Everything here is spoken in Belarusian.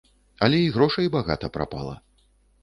Але і грошай багата прапала!